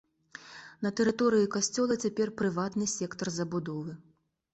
На тэрыторыі касцёла цяпер прыватны сектар забудовы.